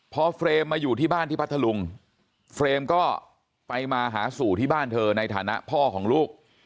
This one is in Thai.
พอเฟรมมาอยู่ที่บ้านที่พัทธลุงเฟรมก็ไปมาหาสู่ที่บ้านเธอในฐานะพ่อของลูก